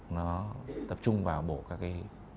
nó tập trung vào bổ các cái